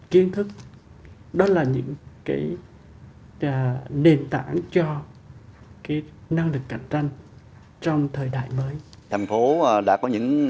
kiến thức đó là những nền tảng cho năng lực cạnh tranh trong thời đại mới thành phố đã có những